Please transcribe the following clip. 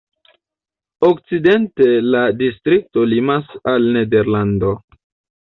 Okcidente la distrikto limas al Nederlando.